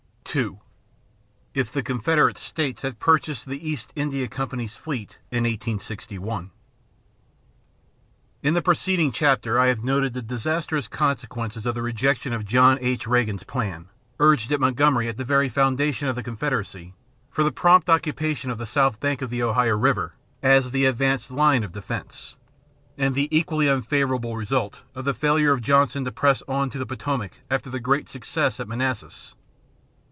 CHAPTER XXII IF THE CONFEDERATE STATES HAD PURCHASED THE EAST INDIA COMPANY'S FLEET IN 1861 In the preceding chapter I have noted the disastrous consequences of the rejection of John H. Reagan's plan, urged at Montgomery at the very foundation of the Confederacy, for the prompt occupation of the south bank of the Ohio River as the advanced line of defense, and the equally unfavorable result of the failure of Johnston to press on to the Potomac after the great success at Manassas.